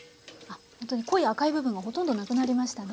ほんとに濃い赤い部分がほとんど無くなりましたね。